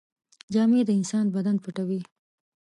جامې د انسان بدن پټوي.